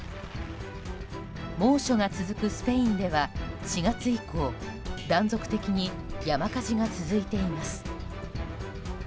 猛暑が続くスペインでは４月以降、断続的に山火事が続いています。